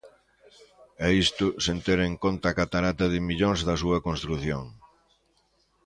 E isto sen ter en conta a catarata de millóns da súa construción.